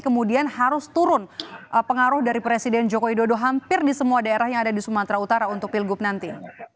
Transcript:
kemudian harus turun pengaruh dari presiden joko widodo hampir di semua daerah yang ada di sumatera utara untuk pilgub nanti